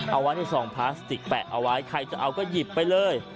เอาไว้ในซองพลาสติกแปะเอาไว้ใครจะเอาก็หยิบไปเลย